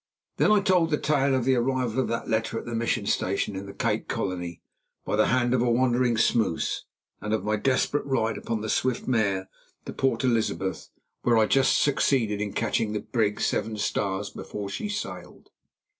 Then I told the tale of the arrival of that letter at the Mission Station in the Cape Colony by the hand of a wandering smous, and of my desperate ride upon the swift mare to Port Elizabeth, where I just succeeded in catching the brig Seven Stars before she sailed.